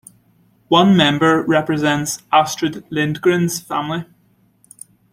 One member represents Astrid Lindgren's family.